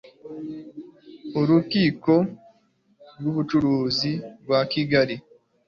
urukiko rwubucuruzi rwa kigali